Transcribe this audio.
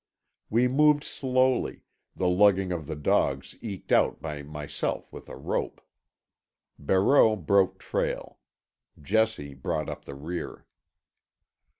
We moved slowly, the lugging of the dogs eked out by myself with a rope. Barreau broke trail. Jessie brought up the rear.